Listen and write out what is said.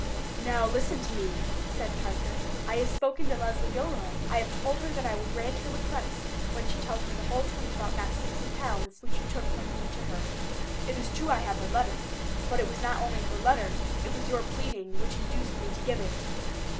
"Now, listen to me." said Parker. "I have spoken to Leslie Gilroy; I have told her that I will grant her request when she tells me the whole truth about that sixty pounds which you took from me to her. It is true I have her letter; but it was not only her letter, it was your pleading which induced me to give it.